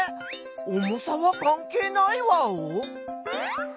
重さはかんけいないワオ？